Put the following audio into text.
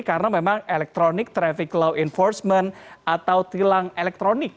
karena memang electronic traffic law enforcement atau tilang elektronik